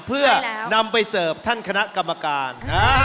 เพื่อนำไปเสิร์ฟท่านคณะกรรมการ